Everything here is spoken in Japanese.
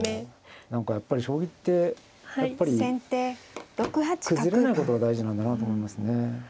何かやっぱり将棋ってやっぱり崩れないことが大事なんだなと思いますね。